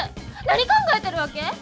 何考えてるわけ？